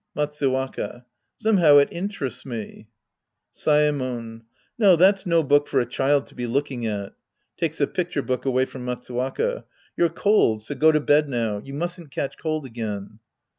Matsuwaka. Somehow it interests me. Saemon. No, that's no book for a child to be looldng at. (Takes the picture book away from Matsuwaka.) You're cold, so go to bed now. You mustn't catch cold again.